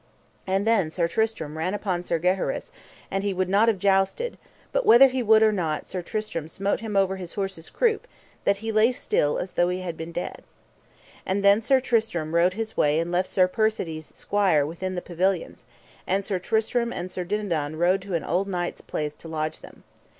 And then Sir Tristram ran upon Sir Gaheris, and he would not have jousted; but whether he would or not Sir Tristram smote him over his horse's croup, that he lay still as though he had been dead. And then Sir Tristram rode his way and left Sir Persides' squire within the pavilions, and Sir Tristram and Sir Dinadan rode to an old knight's place to lodge them.